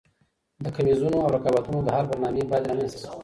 د کميزونو او رقابتونو د حل برنامې باید رامنځته سي.